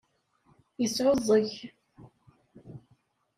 Yesɛuẓẓeg.